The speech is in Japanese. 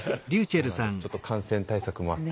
ちょっと感染対策もあって。